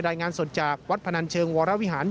รายงานสดจากวัดพนันเชิงวรวิหาร